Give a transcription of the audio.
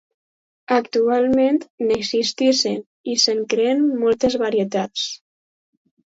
Actualment n'existeixen i se'n creen moltes varietats.